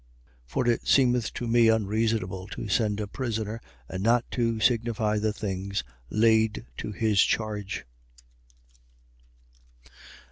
25:27. For it seemeth to me unreasonable to send a prisoner and not to signify the things laid to his charge.